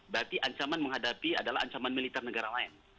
berarti ancaman menghadapi adalah ancaman militer negara lain